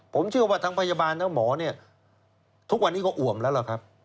ผมเชื่อว่าทั้งพยาบาลและหมอทุกวันนี้ก็อวมแล้วหรือครับ